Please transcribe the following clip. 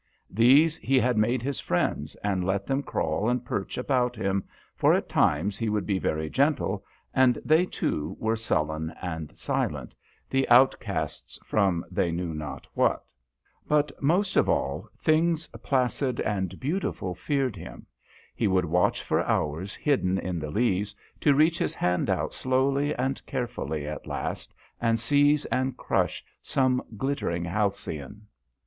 These he had made his friends, and let them crawl and perch about him, for at times he would be very gentle, and they too were sullen and silent the outcasts from they knew not what. But most of all, things placid and 1 76 DHOYA. beautiful feared him. He would watch for hours, hidden in the leaves, to reach his hand out slowly and carefully at last, and seize and crush some glittering halcyon.